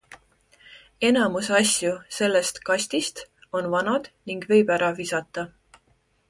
Enamus asju sellest kastist on vanad ning võib ära visata.